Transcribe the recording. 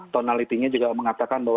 tonality nya juga mengatakan bahwa